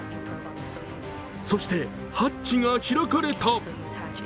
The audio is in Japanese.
そしてハッチが開かれた。